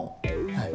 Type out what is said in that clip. はい。